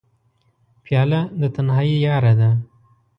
پیاله د تنهایۍ یاره ده.